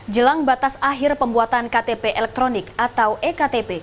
jelang batas akhir pembuatan ktp elektronik atau ektp